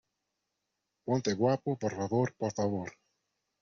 ponte guapo, por favor , por favor.